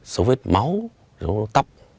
dấu vết máu dấu vết tóc